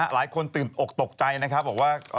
หลายคนตื่นอกตกใจนะครับบอกว่า